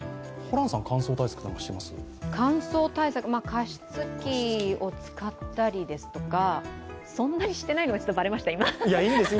乾燥対策、加湿器を使ったりですとか、そんなにしていないのが今バレましたね。